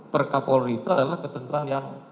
per kapolri itu adalah ketentuan yang